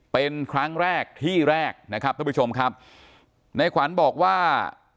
เป็นครั้งแรกที่แรกนะครับท่านผู้ชมครับในขวัญบอกว่า